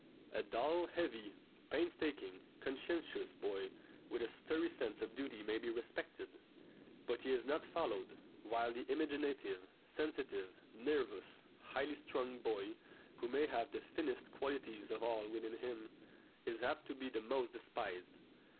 A dull, heavy, painstaking, conscientious boy with a sturdy sense of duty may be respected, but he is not followed; while the imaginative, sensitive, nervous, highly strung boy, who may have the finest qualities of all within him, is apt to be the most despised.